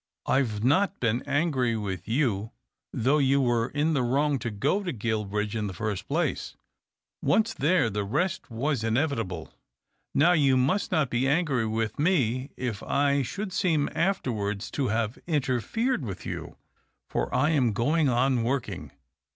I've not been angry with you, though you were in the wrong to go to Gruilbridge in the first place — once there, the rest was inevitable. Now, you must not be angry with me if I should seem afterwards to have interfered with you, for I am going on working."